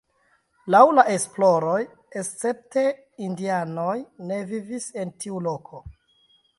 Laŭ la esploroj escepte indianoj ne vivis en tiu loko.